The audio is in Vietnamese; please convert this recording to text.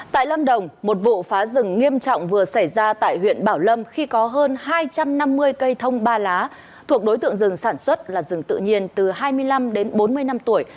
tại lâm đồng một vụ phá rừng nghiêm trọng vừa xảy ra tại huyện bảo lâm khi có hơn hai trăm năm mươi cây thông ba lá thuộc đối tượng rừng sản xuất là rừng tự nhiên từ hai mươi năm đến bốn mươi năm tuổi